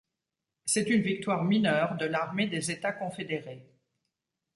C'est une victoire mineure de l'armée des États confédérés.